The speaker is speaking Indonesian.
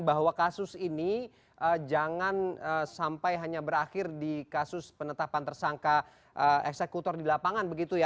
bahwa kasus ini jangan sampai hanya berakhir di kasus penetapan tersangka eksekutor di lapangan begitu ya